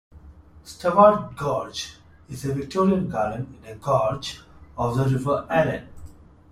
Staward Gorge is a Victorian garden in a gorge of the River Allen.